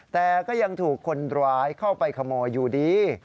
แต่ก็ยังถูกคนร้ายเข้าไปขโมยอยู่ดี